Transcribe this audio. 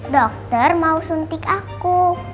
dokter mau suntik aku